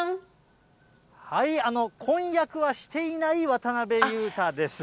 婚約はしていない渡辺裕太です。